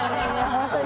ホントに。